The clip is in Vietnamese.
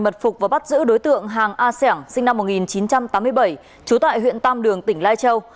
mật phục và bắt giữ đối tượng hàng a xẻng sinh năm một nghìn chín trăm tám mươi bảy trú tại huyện tam đường tỉnh lai châu